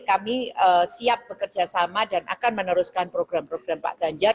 kami siap bekerja sama dan akan meneruskan program program pak ganjar